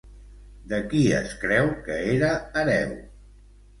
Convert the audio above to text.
De qui es creu que era hereu?